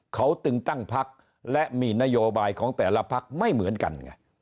เขาตึงตั้งพักและมีนโยบายของแต่ละพักไม่เหมือนกันไง